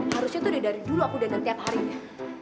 harusnya tuh dari dulu aku datang tiap harinya